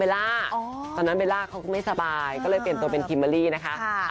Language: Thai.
ตอนนั้นเบลล่าเขาก็ไม่สบายก็เลยเปลี่ยนตัวเป็นคิมเบอร์รี่นะคะ